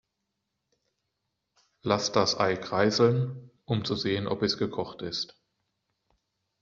Lass das Ei kreiseln, um zu sehen, ob es gekocht ist.